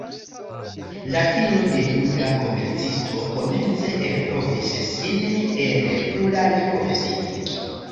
La filo de juda komercisto komence elprovis sin en pluraj profesioj.